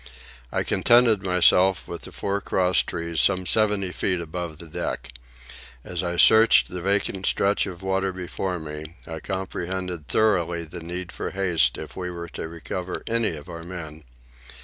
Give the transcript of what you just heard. I contested myself with the fore crosstrees, some seventy feet above the deck. As I searched the vacant stretch of water before me, I comprehended thoroughly the need for haste if we were to recover any of our men.